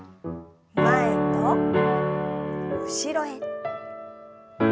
前と後ろへ。